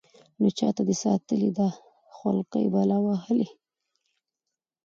نو چاته دې ساتلې ده خولكۍ بلا وهلې.